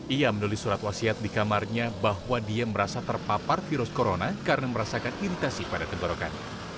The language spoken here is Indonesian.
ia menulis surat wasiat di kamarnya bahwa dia merasa terpapar virus corona karena merasakan iritasi pada tenggorokan